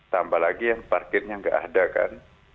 tambah lagi yang parkirnya nggak ada kan